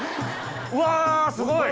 うわすごい！